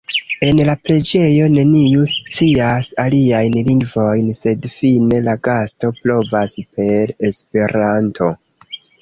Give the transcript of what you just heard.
En la preĝejo neniu scias aliajn lingvojn, sed fine la gasto provas per Esperanto.